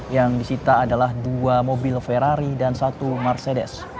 yang disita adalah dua mobil ferrari dan satu marcedes